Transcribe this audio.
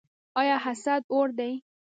آیا حسد اور دی؟